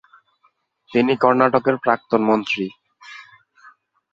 তিনি কর্ণাটকের প্রাক্তন মন্ত্রী।